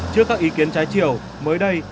trước các ý kiến trái chiều mới đây